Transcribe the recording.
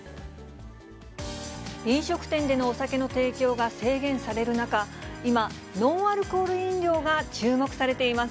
飲食店でのお酒の提供が制限される中、今、ノンアルコール飲料が注目されています。